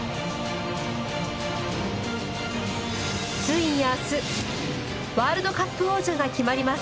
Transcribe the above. ついに明日ワールドカップ王者が決まります。